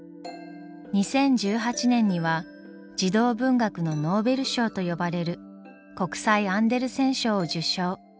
２０１８年には児童文学のノーベル賞と呼ばれる国際アンデルセン賞を受賞。